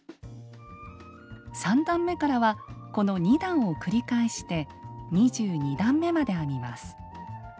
３段めからはこの２段を繰り返して２２段めまで編みます。